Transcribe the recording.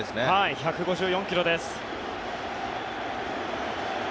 １５４ｋｍです。